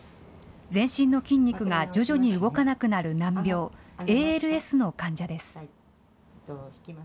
全身の筋肉が徐々に動かなくなる難病、ＡＬＳの患者です。